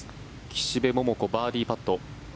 岸部桃子、バーディーパット。